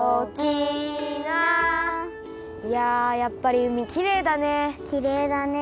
いややっぱりうみきれいだね。